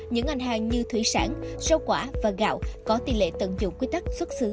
những ngành hàng như thủy sản rau quả và gạo có tỷ lệ tận dụng quy tắc xuất xứ